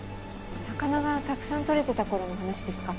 魚がたくさん取れてた頃の話ですか？